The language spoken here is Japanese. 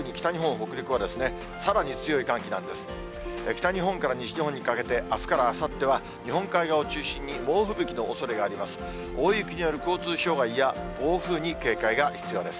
北日本から西日本にかけてあすからあさっては、日本海側を中心に猛吹雪のおそれがあります。